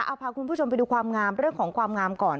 เอาพาคุณผู้ชมไปดูความงามเรื่องของความงามก่อน